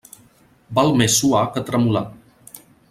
Val més suar que tremolar.